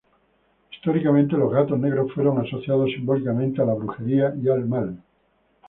Históricamente, los gatos negros fueron asociados simbólicamente a brujería y al mal.